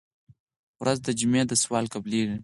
ورځ د جمعې ده سوال قبلېږي.